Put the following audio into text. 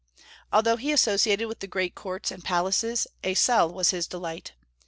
Although he associated with the great in courts and palaces, a cell was his delight.